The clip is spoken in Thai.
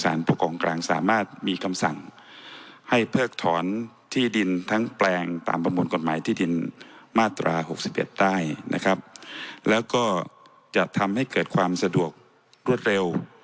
สามารถมีคำสั่งให้เพิกถอนที่ดินทั้งแปลงตามประมวลกฎหมายที่ดินมาตรา๖๑ได้นะครับแล้วก็จะทำให้เกิดความสะดวกรวดเร็ว